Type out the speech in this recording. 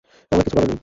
আমার কিছু বলার নেই।